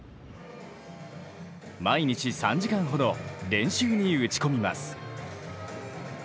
毎日３時間ほど練習に打ち込みます。